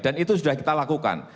dan itu sudah kita lakukan